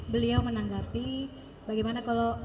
beliau menanggapi bagaimana kalau